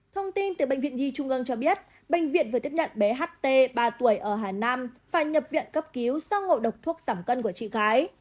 thông tin từ bệnh viện nhi trung ương cho biết bệnh viện vừa tiếp nhận bé ht ba tuổi ở hà nam phải nhập viện cấp cứu sau ngộ độc thuốc giảm cân của chị gái